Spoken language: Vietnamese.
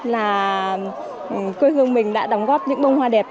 là quê hương mình đã đóng góp những bông hoa đẹp